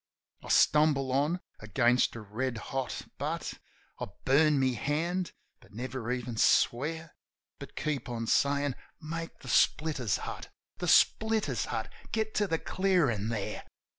I stumble on. Against a red hot butt I burn my hand, but never even swear; But keep on sayin', "Make the splitter's hut, The splitter's hut ! Get to the clearin' there.